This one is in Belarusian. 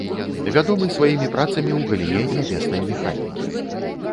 Вядомы сваімі працамі ў галіне нябеснай механікі.